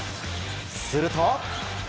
すると。